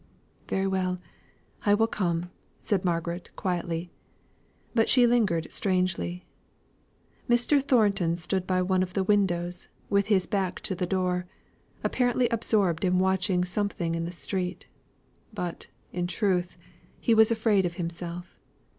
"Very well, I will come," said Margaret, quietly. But she lingered strangely. Mr. Thornton stood by one of the windows, with his back to the door apparently absorbed in watching something in the street. But, in truth, he was afraid of himself.